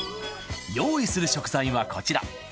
用意する食材はこちら。